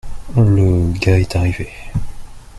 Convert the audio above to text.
le gars est arrivé.